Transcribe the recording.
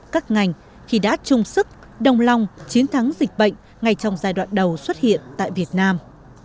các ngành khi đã chung sức đồng lòng chiến thắng dịch bệnh ngay trong giai đoạn đầu xuất hiện tại việt nam